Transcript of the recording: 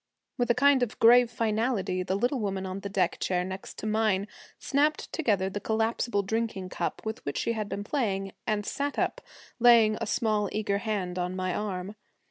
With a kind of grave finality, the little woman in the deck chair next to mine snapped together the collapsible drinking cup with which she had been playing, and sat up, laying a small eager hand on my arm.